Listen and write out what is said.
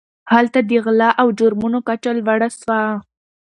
هلته د غلا او جرمونو کچه لوړه سوه.